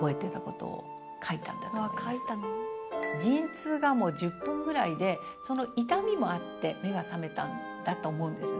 陣痛が１０分ぐらいでその痛みもあって目が覚めたんだと思うんですよね。